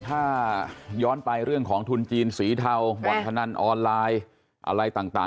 ถ้าย้อนไปเรื่องของทุนจีนสีเทาบ่อนพนันออนไลน์อะไรต่าง